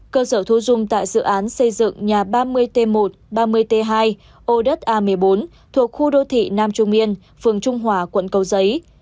cơ sở thu dung tại dự án xây dựng nhà ba mươi t một ba mươi t hai ô đất a một mươi bốn thuộc khu đô thị nam trung yên phường trung hòa quận cầu giấy